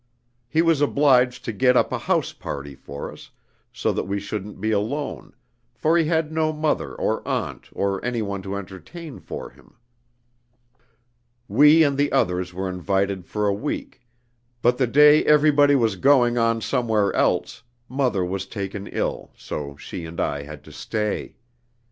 He was obliged to get up a house party for us, so that we shouldn't be alone, for he had no mother or aunt or any one to entertain for him. We and the others were invited for a week, but the day everybody was going on somewhere else, mother was taken ill, so she and I had to stay.